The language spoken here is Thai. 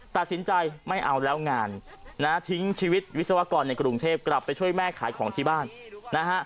ตัดสินใจไม่เอาแล้วงานนะฮะทิ้งชีวิตวิศวกรในกรุงเทพกลับไปช่วยแม่ขายของที่บ้านนะฮะ